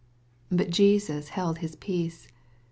63 But Jesus held his peace.